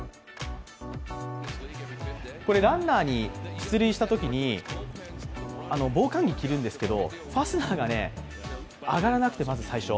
ランナーが出塁したときに防寒着着るんですけど、ファスナーが上がらなくてまず最初。